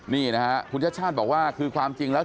นี่นะฮะคุณชาติชาติบอกว่าคือความจริงแล้ว